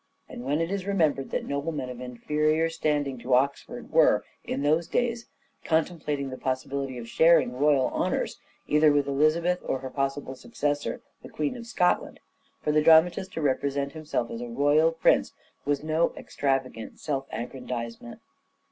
And when it is remembered that noblemen of inferior standing to Oxford were, in those days, contemplating the possibility of sharing royal honours, either with Elizabeth or her possible successor, the Queen of Scotland, for the dramatist to represent himself as a royal prince was no extravagant self aggrandizement.